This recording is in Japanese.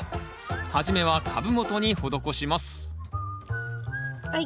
初めは株元に施しますはい。